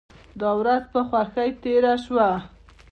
دا ورځ په خوښۍ تیره شوه.